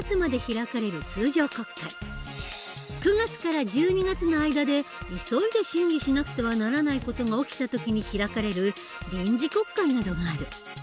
９月から１２月の間で急いで審議しなくてはならない事が起きた時に開かれる臨時国会などがある。